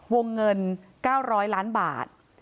วงเงิน๙๐๐ล้านบาท